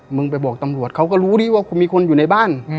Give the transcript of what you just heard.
มึงไปบอกตำรวจเขาก็รู้ดีว่าคุณมีคนอยู่ในบ้าน